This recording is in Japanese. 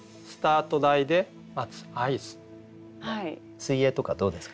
水泳とかどうですか？